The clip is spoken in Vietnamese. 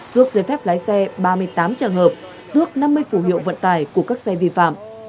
thước giấy phép lái xe ba mươi tám trường hợp thước năm mươi phù hiệu vận tải của các xe vi phạm